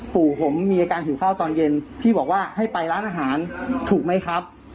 ปู่ผมมีอาการหิวข้าวตอนเย็นพี่บอกว่าให้ไปร้านอาหารถูกไหมครับ